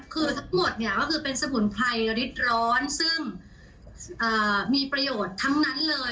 คือทั้งหมดเนี่ยก็คือเป็นสมุนไพรฤทธิ์ร้อนซึ่งมีประโยชน์ทั้งนั้นเลย